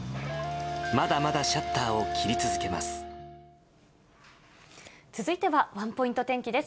まだまだシャッターを切り続けま続いてはワンポイント天気です。